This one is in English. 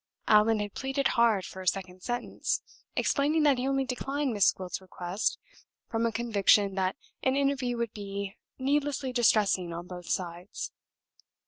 Allan had pleaded hard for a second sentence, explaining that he only declined Miss Gwilt's request from a conviction that an interview would be needlessly distressing on both sides.